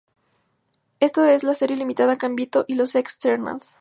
Esto está en la serie limitada "Gambito y los X-Ternals".